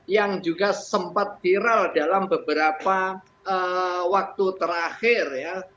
yang juga sempat viral dalam beberapa waktu terakhir ya